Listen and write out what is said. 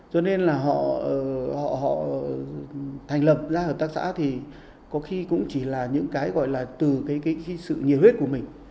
cho nên là họ thành lập ra hợp tác xã thì có khi cũng chỉ là những cái gọi là từ cái sự nhiệt huyết của mình